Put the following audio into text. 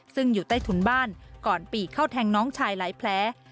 ซึ่งอยู่ใต้ถุนบ้านก่อนปีกเข้าแทงน้องชายหลายแผล